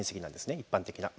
一般的な。